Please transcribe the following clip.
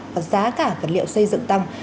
và giá cả vật liệu xây dựng tăng